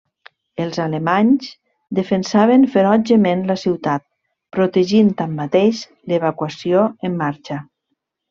Els alemanys defensaven ferotgement la ciutat, protegint tanmateix l'evacuació en marxa.